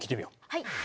はい。